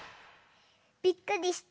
びっくりした？